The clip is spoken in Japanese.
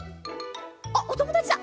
あっおともだちだ。